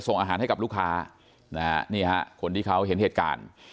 ส่งอาหารให้กับลูกค้านะฮะนี่ฮะคนที่เขาเห็นเหตุการณ์